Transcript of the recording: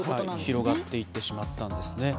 広がっていってしまったんですね。